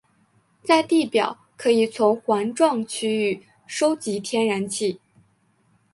在地表可以从环状区域收集天然气。